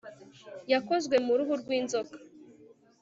Yakozwe mu ruhu rwinzoka